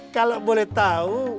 kalau boleh tau